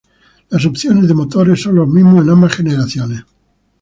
Las opciones de motores son los mismos en ambas generaciones.